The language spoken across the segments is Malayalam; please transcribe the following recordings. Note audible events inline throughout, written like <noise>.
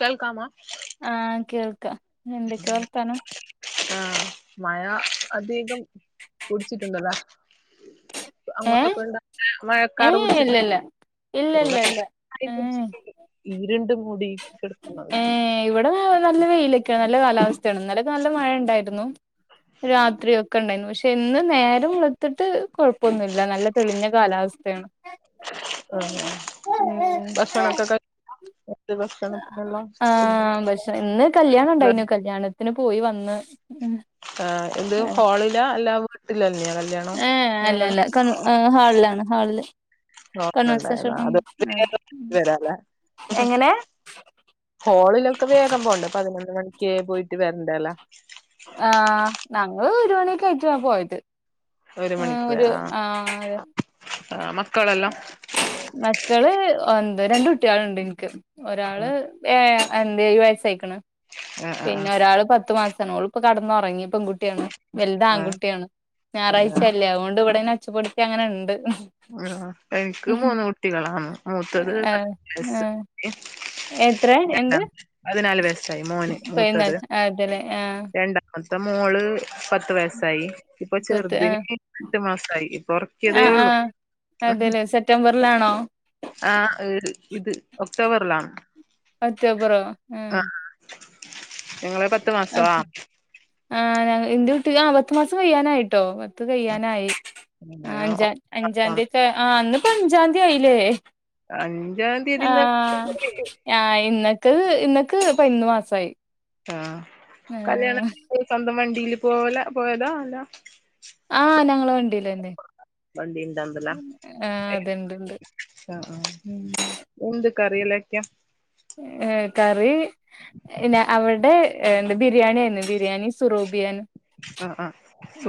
കേൾക്കാമ ആഹ് കേൾക്കാം എന്തൊക്കെ വർത്താനം ആഹ് മഴ അധികം പുടിച്ചിട്ടുണ്ടതാ ഏഹ് അങ്ങോട്ടൊക്കെ എന്താ മഴക്കാറ് ഏഹ് പിടിച്ചിട്ട് ഇല്ലല്ല ഇല്ല ഇല്ല ഇല്ല എന്താ ഏഹ് ഈ രണ്ട് മൂടി കെടക്കുന്നുണ്ട് ഏഹ് ഇവിടെ നല്ല വെയിലൊക്കെയാണ് നല്ല കാലാവസ്ഥയാണ് ഇന്നലക്കെ നല്ല മഴ ഇണ്ടായിരുന്നു രാത്രിയൊകെണ്ടായിനു പക്ഷെ ഇന്ന് നേരം വെള്ത്തിട്ട് കൊഴപ്പൊന്നുല്ല നല്ല തെളിഞ്ഞ കാലാവസ്ഥയാണ് ആഹ് ഉം ആഹ് ആഹ് പക്ഷേ ഇന്ന് കല്യാണംണ്ടായിനു കല്യാണത്തിന് പോയി വന്ന് ആഹ് എന്ത് ഹോളിലാ അല്ല വീട്ടിലന്നാ കല്യാണം ഞങ്ങൾ ആഹ് ഹാളിലാണ് ഹാളില് ഹോട്ടലുണ്ടായതാ അത് <unintelligible> വരാല്ലേ എങ്ങനെ ഹോളിലൊക്കെ വേഗം പോണ്ട പതിനൊന്ന് മണിക്ക് പോയിട്ട് വരണ്ടല്ലേ ആഹ് ഞങ്ങള് ഒരു മണിയക്കായിട്ട പോയത് ഒരു മണിക്ക് പോയ ആഹ് ആഹ് മക്കളല്ലാം മക്കള് ഒന്ത് രണ്ട് കുട്ടികല്ണ്ട് എൻക്ക് ഒരാള് ആഹ് ഏഹ് എന്തേയ് വയസ്സായിക്കണ് ആഹ് പിന്നെ ആഹ് ഒരാള് പത്ത് മാസ നോള് ഇപ്പൊ കടന്നുറങ്ങി പെൺകുട്ടിയാണ് വല്ത് ആഹ് ആൺകുട്ടിയാണ് അതെയാ ഞായറാഴ്ചയല്ലേ അതുകൊണ്ട് ഇവിടെ ഒച്ചപ്പെടുത്തി അങ്ങനെ ഉണ്ട് ആഹ് എനിക്ക് മൂന്ന് കുട്ടികളാണ് മൂത്തത് <inaudible> ആഹ് ആഹ് എത്ര എന്ത് <unintelligible> പതിനാല് വയസായി മോന് മൂത്തത് പതിനാല് അതെല്ലേ ആഹ് രണ്ട അടുത്ത മോള് പത്ത് വയസ്സായി ഇപ്പൊ പത്ത് ആഹ് ചെറുതിന് എട്ടു മാസായി ഇപ്പ ഉറക്കിയതേ ഉള്ളൂ അതെല്ലെ സെപ്റ്റംബറിലാണോ ആഹ് ഇത് ഇത് ഒക്ടോബറിലാണ് ഒക്ടോബറോ ഉം ഇങ്ങളെ പ ആഹ് ആഹ് എന്റെ കുട്ടിക്ക് ആഹ് പത്തു മാസം കയ്യാനായിട്ടോ പത്ത് കയ്യാനായി ആഹ് അഞ്ച അഞ്ചാത്തീത്തെ ആഹ് അന്ന് അഞ്ചാന്തിയായില്ലേ അഞ്ചാം തീയതിന്ന് ആഹ് ആഹ് ഇന്നക്ക് ഇന്നക്ക് പതിനൊന്ന് മാസമായി ആഹ് <unintelligible> കല്യാണം സ്വന്തം വണ്ടിൽ പോല പോയത അല്ല ആഹ് ഞങ്ങള് വണ്ടില എന്തേ വണ്ടിയുണ്ടോത് ആഹ് അതിണ്ട്ണ്ട് മം ഊന്ത് ക്കറിയിലേക്ക ഏ കറി ഞാ അവിടെ ഏ എന്ത് ബിരിയാണിയായിരുന്നു ബിരിയാണിം സുറൂബിയാന് ആഹ് ആഹ്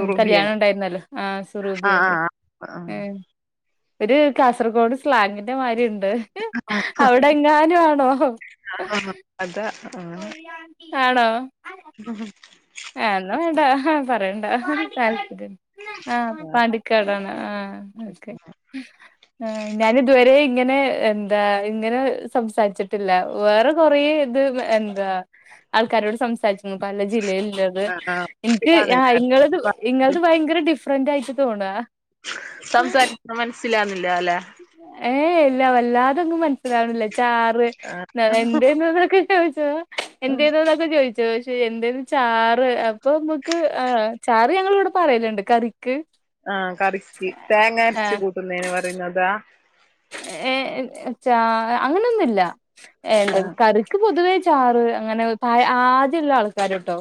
ഉം കല്യാണം ഉണ്ടായിരുന്നല്ലോ ആഹ് ആഹ് സുറൂബിയാന്ന് ആഹ് ഏ ആഹ് ഒരു കാസർഗോഡ് സ്ലാങ്ങിന്റെ മാരി ഉണ്ട് അവിടെ എങ്ങാനും ആണോ ആഹ് അതാ. ആണോ. ഹ ഹാ. ഏഹ് ന്ന വേണ്ട പറയണ്ട താല്പര്യം. ആഹ് പാണ്ടിക്കാടാണ് ആഹ് ഒ ക്കെ. ആഹ് ഞാനിതുവരെ ഇങ്ങനെ എന്താ ഇങ്ങനെ സംസാരിച്ചിട്ടില്ല വേറെ കൊറേ ഇത് എന്താ ആൾക്കാരോട് സംസാരിച്ചിരുന്നു പതിനഞ്ച് ജില്ലയിൽ ള്ള് എനിക്ക് ആഹ് ഇങ്ങളത് ഇങ്ങളത് ഭയങ്കര ഡിഫറന്റയിട്ട് തോണ സംസാരിക്കണ മനസ്സിലാവുന്നില്ല അല്ലെ ഏയ് എല്ല വല്ലാതെങ്ങ് മന മനസിലാവണില്ലേ ചാറ് <unintelligible> എന്തേന്നവരൊ ചോയിച്ചോ എന്തെന്ന് ഇപ്പോ ചോയിച്ചോയിച്ച് എന്തേന്ന് ചാറ് അപ്പോ ഞമ്മക്ക് ചാറ് ത് ഞങ്ങളിവിടെ പറയലുണ്ട് കറിക്ക്. ആഹ്‌ കറിക്ക് തേങ്ങ ആ അര്ച്ച് കൂട്ടുന്നേന് പറയുന്നതാ. എ ഏ ഏച്ച അങ്ങനൊന്നുല്ല ആഹ് എടക്കറ് - ക്ക് പൊതുവേ ചാറ് അങ്ങനെ പായ് ആദ്യള്ള ആൾക്കാര് ട്ടോ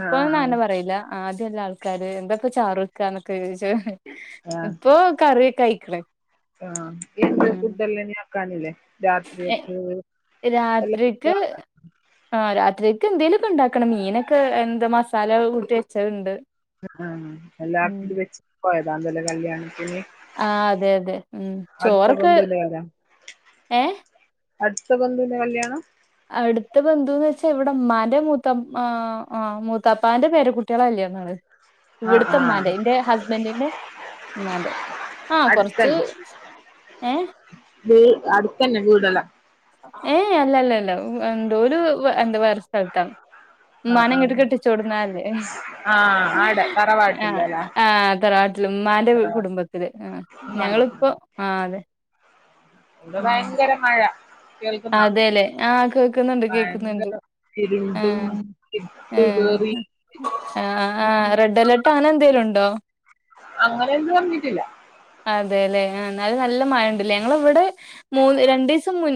ഇപ്പോയൊന്നും ആഹ് അങ്ങനെ പറയില്ല. ആദ്യള്ളാൾക്കാര് എന്തപ്പ ചാറ് വക്കാന്നൊക്കെ ചോയ്ച്ച. ആഹ് ഇപ്പൊ കറ്യക്കയ്ക്ക്ണ്. ആഹ് എന്ത് ഫുഡല്ല ഞാക്കാനില്ലേ. രാത്രിയക്ക് എല്ലാം ആഹ് രാത്രിക്ക് എന്തേലൊക്കെണ്ടാക്കണം മീനൊക്കെ എന്ത മസാല കൂട്ടി വെച്ചതുണ്ട്. ആഹ് ഉം എല്ലാർക്കും വെച്ചട്ട് പോയതാണല്ലൊ ലെ കല്യാണതിന്. ആഹ് അതെ അതെ ഉം ചോറൊക്കെ ബന്ധുവിന്റെ പേരാ ഏ അടുത്ത ബന്ധുന്റെ കല്യാണം അവിടുത്ത ബന്ധുന്ന് ച്ചാ ഇവിടെ അമ്മാന്റെ മൂത്ത ആഹ് മൂത്താപ്പാന്റെ പേരാകുട്ടിയളെല്ലെ ങ്ങള് ആഹ് ആഹ് ഇവിടുത്തെമ്മാന്റെ ന്റെ ഹസ്ബൻറ്റിന്റെ ഇമ്മാന്റെ ആഹ് കൊറച്ച് ഏഹ് വി അടുത്തന്നെ വീടെല്ലാം ഏയ് അല്ലല്ല അല്ല എന്തോ ഒരു എന്താ വേറെ സ്ഥലത്താണ് ആഹ് ഉമ്മാനെങ്ങോട്ട് ആഹ് കെട്ടിച്ചോട്ന്നല്ലേ ആഹ് ആടെ ആഹ് തറവാട്ടില്ലല്ലേ ആഹ് തറവാട്ടില് ഉമ്മാന്റെ തറവാട്ട് കുടുംബ ത്തിൽ ആഹ് കണ്ടിട്ടുണ്ട് ഞങ്ങളിപ്പോ ആഹ് അതെ വിടെ ഭയങ്കര മഴ കേൾക്കുന്നാ അതെല്ലെ ആഹ് കേക്ക്ന്ന്ണ്ട് കേക്ക്ന്ന്ണ്ട് ഭയങ്കര ഇരുണ്ടും ആഹ് ഇരുട്ട് കേറി ആഹ് ആഹ് റെഡ് അലേർട്ട് ആങ്ങനെ എന്തേലും ഉണ്ടോ അങ്ങനെന്നും റഞ്ഞിട്ടില്ല അതെല്ലെ ആഹ് ന്നാലും നല്ല മഴ ണ്ട്ല്ലേ ഞങ്ങള ഇവിടെ മൂന്ന് രണ്ടു ദിവസം മൂ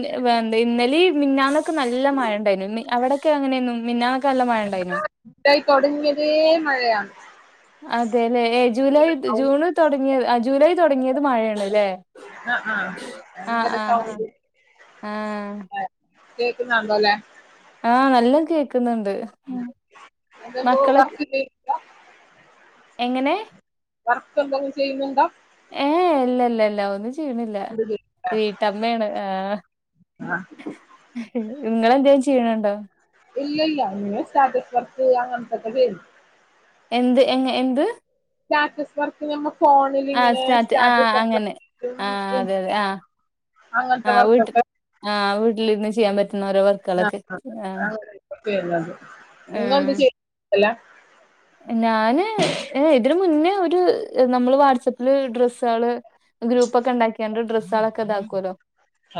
ഇന്നലെ മിന്നന്നൊക്കെ നല്ല മഴ ഉണ്ടായിരുന്നു അവിടൊക്കെ അങ്ങനെയൊന്നും മിന്നാ ഇതായി തൊടങ്ങിയതേ മഴയാ അതെല്ലേ ഏ ജൂലൈ ത് ജൂണ് തുടങ്ങിയ അഹ് ജൂലൈ തുടങ്ങിയത് മഴയാണ്ല്ലേ ആഹ ആഹ ആഹ് ഭയങ്കര ആഹ് ആഹ് സൗണ്ട് ആഹ് ആഹാ കേക്കുന്നണ്ടോ അല്ലെ ആഹ നല്ല കേക്കുന്നണ്ട് എന്തെങ്കിലും മക്കളക്ക് വർക്ക് ചെയ്യുന്നുണ്ടോ എങ്ങനെ വർക്ക് എന്തങ്കിലും ചെയ്യുന്നുണ്ടോ? ഏഹ് ഇല്ല ഇല്ല ഇല്ല ഒന്ന് ചെ- ചെയ്യണില്ല എന്ത് വീട്ടമ്മയാണ് ആഹ്. ങ്ങളെന്തേലും ചെയ്യണണ്ടോ? ഇല്ല ഇല്ല അങ്ങനെ സ്റ്റാറ്റസ് വർക്ക് അങ്ങനെത്തൊക്കെ ചെയ്യെത് എന്ത് എങ്ങെ എന്ത് സ്റ്റാറ്റസ് വർക്ക് നമ്മ ഫോണില് ഇങ്ങനെ സ്റ്റാറ്റസ് വർക്ക് ആഹ അതെ അതെ ആഹ് അങ്ങനത്തെ ആഹ് വീട്ട് വർക്കൊക്കെ ആഹ് വീട്ടിലിരുന്ന് ചെയ്യാ പറ്റുന്ന ഓരോ വർക്കുകളൊക്കെ ആഹ് പിന്നെ നിങ്ങള് എന്ത് ആഹ് ചെയ്യ അല്ല ഞാന് ഏ ഇതിന് മുന്നേ ഒരു നമ്മള് വാട്സപ്പില് ഡ്രസ്സാള് ഗ്രൂപ്പ്ക്കെണ്ടാക്കിയാണ്ട് ഡ്രസ്സാളൊക്കെ ഇതാക്കൊല്ലോ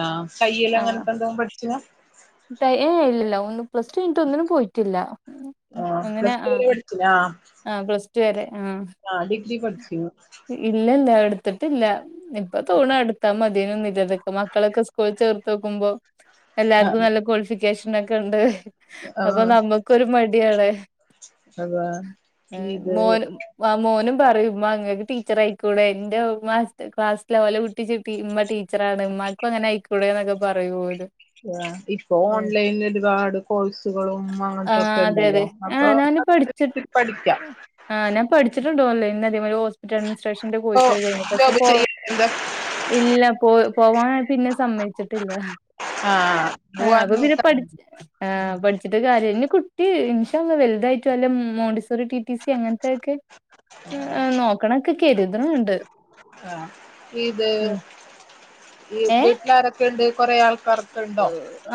ആഹ തയ്യില്ലാ വർക് എന്ത പഠിച്ചിന ത്തെ ഏഹ് ഇല്ല ല്ല ഒന്നും പ്ലസ് ടു കഴിഞ്ഞിട്ട് ഒന്നിനും പോയിട്ടില്ല ആ ഒന്നിനെ പ്ലസ് ടു ആഹ് വരെ പഠിച്ചിനാ അഹ പ്ലസ് ടു വരെ ആഹ് ആഹാ ഡിഗ്രി പടിച്ചീന് ഇല്ല ഇല്ല എടുത്തിട്ടില്ല ഇപ്പൊ തോണ എടുത്താ മതിനുന്ന് മക്കളൊക്കെ സ്കൂൾ ചേർത്ത് നോക്കുമ്പോ ആ എല്ലാർക്കും നല്ല ക്വാളിഫിക്കേഷനെക്കെ ഒണ്ട്. ആ അപ്പൊ നമ്മുക്കൊരു മടിയാണേ അതാ ആഹ് ഇത് മോന് - വ്വ മോനും പറയും ഉമ്മ ങ്ങക്ക് ടീച്ചറായിക്കൂടെ എന്റെ മാസ്ത ക്ലാസ്സിലെ ഓലെ കു ടിജു പി ഉമ്മ ടീച്ചറാണ് ഉമ്മാക്കും അങ്ങനെ അയിക്കൂടെ എന്നൊക്കെ പറയും ഓലും <inaudible> ഇപ്പൊ ഓൺലൈനില് ഒരുപാട് കോഴ്സുകളും ആഹ് അങ്ങനത്തൊക്കെ അതെ ഉണ്ടല്ലോ അതെ അപ്പൊ ആഹ് ഞാന് പഠിച്ചിട്ട് <unintelligible> പഠിക്കാം. ആഹ് ഞാൻ പഠിച്ചിട്ടുണ്ട് ഓൺലൈൻ അതെമാര് ഹോസ്പിറ്റൽ അഡ്മിനിസ്ട്രേഷന്റെ ഇപ്പൊ കോഴ്സ് കഴിഞ്ഞു പക്ഷെ ജോബ് പ്പോ- ചെയ്യാൻ എന്താ ഇല്ല പോ പോവാൻ പിന്നെ സമ്മയിച്ചിട്ടില്ല ആഹ് ആ അപ്പൊ പിന്നെ പഠിച്ച ആഹ പഠിച്ചിട്ട് കാര്യം ന്നി കുട്ടി ഇന്ഷാ അള്ളാ വലുതായിട്ട് വല്ല മോണ്ടിസോറി ടീ ടി സി അങ്ങനത്തെൊക്കെ നോക്കണൊക്കെ കരുത്ണ് ണ്ട് ആ ഇത് ഇ വ് ഏഹ് ഒക്കെണ്ട് കുറെ ആൾക്കാർ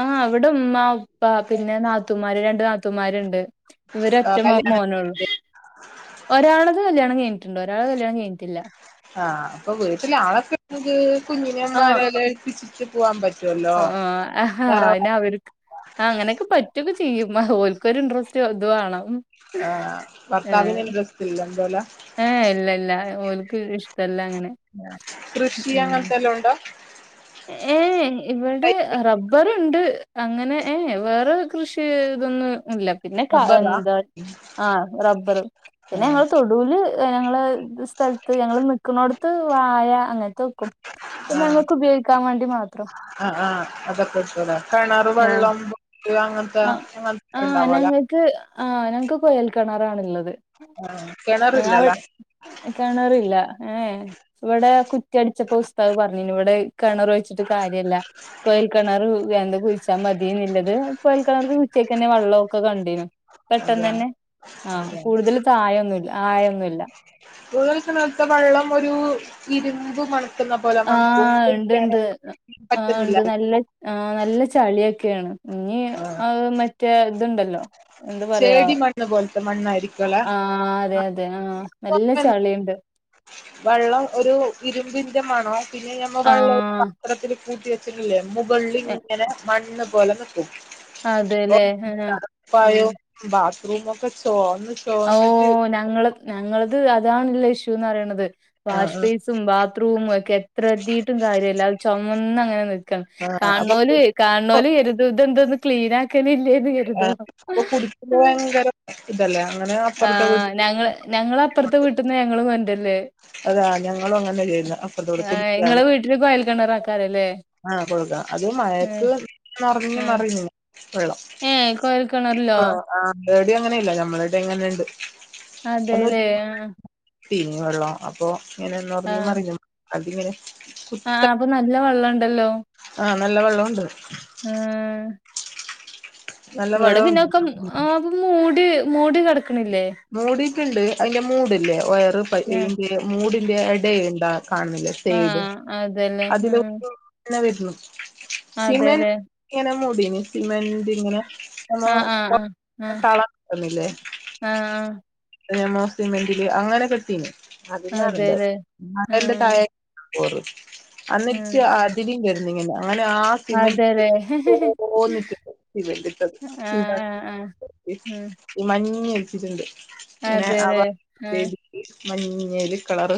ആഹ് അവിടെ ഉമ്മ ഉപ്പ പിന്നെ നാത്തൂമാര് രണ്ട് നാത്തൂമാരുണ്ട്. ഇവര് ഒറ്റ ആ, മോ മോന് ഉള്ളു. കല്യാണം ഒരാളത് കല്യാണം കഴിഞ്ഞിട്ടണ്ട് ഒരാൾ കല്യാണം കഴിഞ്ഞിട്ടില്ല ആഹ് അപ്പൊ വീട്ടില ആളൊക്കെ ങ്ക് ആഹ് കുഞ്ഞിനെമാരെല്ല ഏൽപ്പിച്ചി ട്ടി പോവാം പറ്റുല്ലോ തറ അവര്ക്ക് ആഹ അങ്ങനെക്കെ പറ്റൊക്കെ ചെയ്യും ഓൽക്കൊരു ഇൻട്രസ്റ്റ് ത് വേണം. ആഹ് ഭർത്താവിന് ഇൻട്രസ്റ്റ്ല്ല ന്തുല്ല ഏഹ് ഇല്ല ഇല്ല ഓല്ക്ക് ഇഷ്ടല്ല അങ്ങനെ കൃഷി ഉം അങ്ങനത്തെ എല്ലൊ ഒണ്ടോ? എയ് ഇവിടെ റബ്ബറുണ്ട് അങ്ങനെ ഏ വേറെ കൃഷി ഇതൊന്നും ഇല്ല പിന്നെ റബ്ബറാ എന്താ ആ റബ്ബറ് പിന്നെ ആഹ് ഞങ്ങള് തൊടുവില് ഞങ്ങള് സ്ഥലത്ത് ഞങ്ങൾ നിക്കുന്നോടത്ത് വായ അങ്ങനത്തെ വെക്കും അപ്പം ഞങ്ങൾക്ക് വീ ആ ആഹ് അതൊക്കുറിച്ചല കിണർ ആഹ് വെള്ളം അങ്ങനത്തെ അങ്ങനെ ഉണ്ടാവല്ലേ ആ ഞങ്ങക്ക് കൊയൽ കിണറാണ്ഉള്ളത് ആഹ് ആവി കിണറില്ലല്ലേ കെണറില്ല ഏ ഇവിടെ കുറ്റി അടിച്ചപ്പോ ഉസ്താദ് പറഞ്ഞിനി ഇവിടെ കെണർ വെച്ചിട്ട് കാര്യല്ല കോയൽ കിണറ് വേന്ത കുഴിച്ചാ മതിന്നല്ലത് കൊയൽ കിണർക്ക് ഉച്ചക്ക് തന്നെ വെള്ളമൊക്കെ കണ്ടിനും അതെ പെട്ടെന്ന് തന്നെ ആ അതെ കൂടുതൽ ആയൊന്നുല്ല ആയൊന്നുല്ല കൂഴൽ കെണറത്തെ വെളളം ഒരു ഇരുമ്പ് മണ ആഹ് ഇണ്ട് ഇണ്ട് ആ പറ്റുന്നില്ല ഉണ്ട് നല്ല ആ നല്ല ചളിയൊക്കെയാണ് ഇനി അത് മറ്റേ ഇതുണ്ടല്ലോ എന്താ പറയാ ചേടി മണ്ണ് പോലത്തെ മണ്ണായിരിക്കുല്ലെ ആഹ് അതെ അതെ ആഹ് നല്ല ചളിണ്ട് വള്ളം ഒരു ഇരുമ്പിൻന്റെ മണോ പിന്നെ ഞമ്മ വെള്ളം ആഹ് പാത്രത്തിൽ കൂട്ടി വെ മുകളിൽ ഇങ്ങനെ മണ്ണ് പോലെ നിക്കും ഇപ്പം അതെല്ലേ ആഹ് ഉം തണുപ്പയായോട്ട് ബാത്ത്റുമൊക്കെ ചോർന്ന്ട്ട് ഓ ഞങ്ങള ഞങ്ങളത് അതാണല്ല ഇഷ്യൂന്ന് പറയണത് ആഹ് വാഷ്ബേയ്സി <unintelligible> ബാത്റൂമും ഒക്കെ എത്ര കഴിട്ടും കാര്യല്ല അത് ചൊമന്നു അങ്ങനെ നിൽക്കണ് ആഹ് ആഹ് അപ്പൊ കാണുന്നവര് കാണുന്നവര് കരുതൂംഇത് എന്തൊന്നും ക്ലീൻ ആക്കലില്ലേന്ന് ആഹ് അപ്പൊ കുടിക്കുപേ ഭയങ്കര ഇതല്ലേ അങ്ങനെ ആ അപ്പുറത്തെ വീട്ടി ഞങ്ങള് ഞങ്ങള അപ്പുറത്ത് വീട്ടിന്ന് ഞങ്ങളും കൊണ്ടല് അതാ ഞങ്ങളും അങ്ങനെ ചെയ്യുന്ന അപ്പുറത്ത് വീട്ടി ഇങ്ങടെ വീട്ടില് കൊയൽക്കിണറാ ആഹ് കൊടുക്കാം അത് ഏഹ് മയത്ത് നിറഞ്ഞ് ആഹ് മറിഞ്ഞ് വെള്ളം ഏഹ് കൊയൽ കിണറിലോ? ആഹ് ചേടി അങ്ങനെ ഇല്ല ഞമ്മളട് ഇങ്ങനെണ്ട് അതെല്ലേ ആഹ് പിനിയോ വെള്ളോ അപ്പൊ ഇങ്ങനെ മറിഞ്ഞ് മറിഞ്ഞ് അതിങ്ങനെ ആ അപ്പൊ നല്ല വെള്ളം ഉണ്ടല്ലോ ആഹ് നല്ല വെള്ളോണ്ട് ഉം നല്ല ഇവിടെ വെള്ളമുണ്ട് പിന്നൊക്കെ ആ അപ്പൊ മൂടി മൂടി കിടക്കണില്ലേ മൂടിട്ടുണ്ട് അതിന്റെ മൂടല്ലേ വയറിന്റെ മൂടിന്റെ ഇടുണ്ട <unintelligible> കാണുന്നില്ല സെയിഡ് ആഹ് അതെല്ലേ അതില് ആഹ് ഇങ്ങനെ വർന്നു സിമെന്റ് അതെല്ലേ ഇങ്ങനെ മൂടിന്ന് സിമെന്റ് ഇങ്ങനെ ആഹ് നമ്മ ആഹ് ആഹ് ആഹ് തളംകെട്ടുന്നില്ലേ ആഹ് ആഹ് മോ സിമന്റില് അങ്ങനെ കെട്ടീനെ അത് ഞാനുണ്ട് അതെല്ലേ ആതിന്റെ ആഹ് തായെ ഓറ് അന്നിട്ട് ആഹ് അതിലും വെരുന്ന് ഇങ്ങനെ അങ്ങനെ ആ സിമെന്റ് അതെല്ലേ <unintelligible> സിമെന്റ് ആഹ് ആഹ് ആഹ് ഉം ഈ മഞ്ഞ് ഒഴിച്ചിട്ടുണ്ട് ഇങ്ങനെ അതെല്ലേ ആവാൻ ആഹ് <unintelligible> മഞ്ഞല് കളർ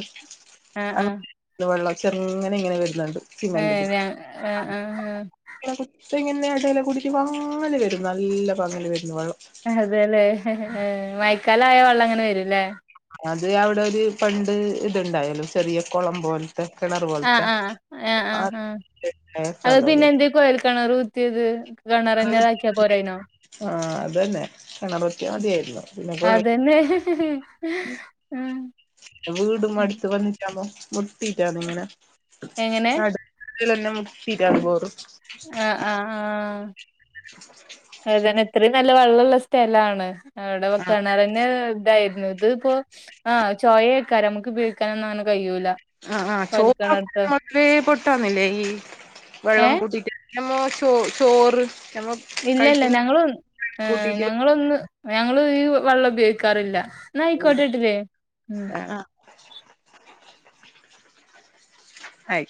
ആഹ് ആഹ് അങ്ങനെ വെള്ളം ചെറുങ്ങനെ ഇങ്ങനെ വരുന്നുണ്ട് സിമന്റെ ഏഹ് ഞ കുതിച്ചു ആഹ് ആഹ് ആഹ് <unintelligible> ഇങ്ങനെ അതല കുടിച്ച <unintelligible> നല്ല പങ്ങില് വരുന്നു വള്ളം അതല്ലേ മയക്കാല ആയ വെള്ളം അങ്ങനെ വരുംല്ലേ അത് അവിടെ ഒരു പണ്ട് ഇത്ണ്ടായല്ലോ ചെറിയ കൊളം പോലെ കെണറ് ആഹ് പോലത്തെ ആഹ് ആഹ് ആഹ് അത് <unintelligible> കെണറ് കുത്തിയത് കിണറന്നെതാക്കിയാ പോരായിനോ ആഹ് അത് തന്നെ കിണറുത്തിയാ മതിയായിരുന്നു പിന്നെ അതെന്നെ ആഹ് വീടും അടുത്ത് വന്നിട്ടാമ്മോ മുട്ടീട്ടാ ഇങ്ങനെ എങ്ങനെ നട <unintelligible> <unintelligible> ആഹ് ആഹ് ആഹ് അത് തന്ന ഇത്രം നല്ല വെള്ളള്ള സ്ഥലാണ് അവിടെ വെ ആ കെണറിന് ഇതായിരുന്നു ഇത് ഇപ്പോ ആഹ് ചോയക്കാെരം നമക്ക് ഉയോഗിക്കാനൊന്നും അങ്ങെനെ കഴൂല്ല ആ ആ് ചോറൊക്ക മത്രേ പൊട്ടന്നില്ലേ ഈ വെള്ളം ഏഹ് കൂട്ടിട്ട് മ്മോചോ ചോറ് നമ്മെ ഇല്ല ഇല്ല ഞങ്ങള് ഞങ്ങളൊന്ന് ഞങ്ങള് ഈ വെള്ളം ഉപയോഗിക്കാറില്ല നാ ആയിക്കോട്ടാ ഇതിൽ ആ ആ ആയി